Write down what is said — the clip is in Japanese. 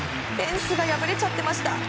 フェンスが破れちゃってました。